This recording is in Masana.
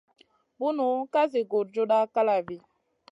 Bunu ka zi gurjuda kalavi.